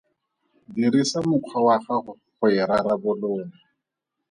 Dirisa mokgwa wa gago go e rarabolola.